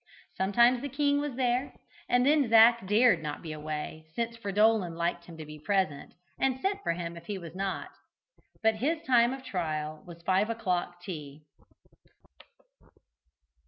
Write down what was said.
Sometimes the king was there, and then Zac dared not be away, since Fridolin liked him to be present, and sent for him if he was not. But his time of trial was "Five o'clock Tea."